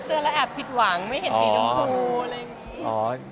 ซื้อและแอบผิดหวังไม่เห็นสีชมพู